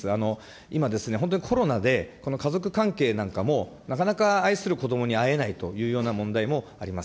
今ですね、本当にコロナで、この家族関係なんかもなかなか愛する子どもに会えないというような問題もあります。